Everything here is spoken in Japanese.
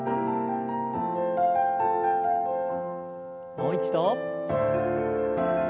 もう一度。